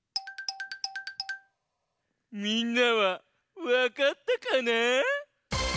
みんなはわかったかな？